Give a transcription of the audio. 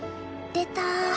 出た。